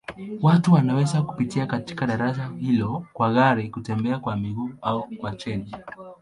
Watu wanaweza kupita katika daraja hilo kwa gari, kutembea kwa miguu au kwa treni.